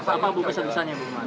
apa bu pesan pesannya bu